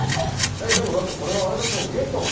えっでもだってこれあれでしょ。